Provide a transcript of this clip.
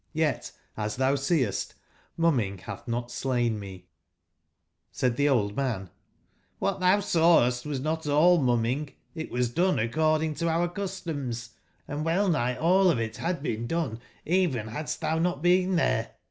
Y^t, as tbou seest, mum mingbatbnotslainme"j^Saidtbeoldman:'*QIbat tbou sawest was not all mumming ; it was done ac cording to our customs ; and well nigb all of it bad been done, even badst tbou not been tbere.